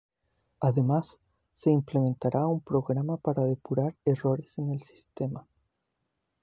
Además, se implementará un programa para depurar errores en el sistema.